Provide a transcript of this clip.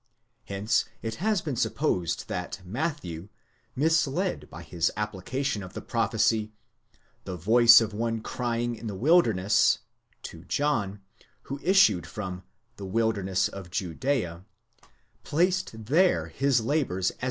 * Hence it has been supposed that Matthew, misled by his application of the prophecy, 'He voice of one crying in the wilderness, φωνὴ βοῶντος ἐν τῇ ἐρήμῳ, to John, who issued from the wilderness of Judea, ἔρημος τῆς Ἰουδαίας, placed there his labours as.